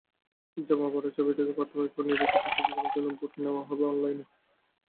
জমা পড়া ছবি থেকে প্রাথমিকভাবে নির্বাচিত ছবিগুলোর জন্য ভোট নেওয়া হবে অনলাইনে।